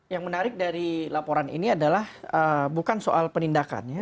yang menarik dari laporan ini adalah bukan soal penindakan ya